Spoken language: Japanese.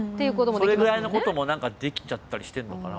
それぐらいのこともできちゃったりしてるのかな？